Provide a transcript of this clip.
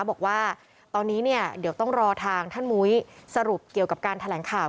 บอกว่าตอนนี้เนี่ยเดี๋ยวต้องรอทางท่านมุ้ยสรุปเกี่ยวกับการแถลงข่าว